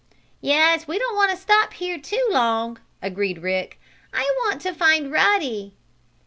"Yes, we don't want to stop here too long," agreed Rick. "I want to find Ruddy."